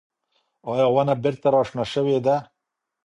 ایا ونه بېرته راشنه شوې ده؟